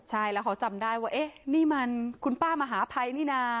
ใช่แล้วเขาจำได้ว่าเอ๊ะนี่มันคุณป้ามหาภัยนี่นะ